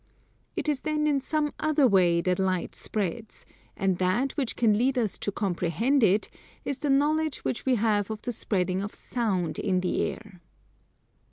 It is then in some other way that light spreads; and that which can lead us to comprehend it is the knowledge which we have of the spreading of Sound in the air.